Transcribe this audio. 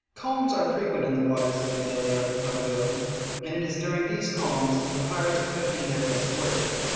Calms are frequent in the waters of the Malay Archipelago, and it is during these calms that the pirates put in their best work.